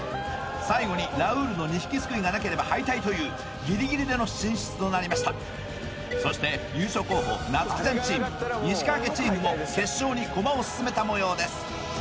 最後にラウールの２匹すくいがなければ敗退というギリギリでの進出となりましたそして優勝候補夏生ちゃんチーム西川家チームも決勝にコマを進めたもようです